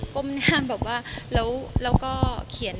ก้มหน้าแบบว่าแล้วก็เขียน